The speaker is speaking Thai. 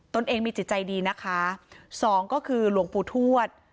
ตัวเองมีจิตใจดีนะคะสองก็คือหลวงปู่ทวด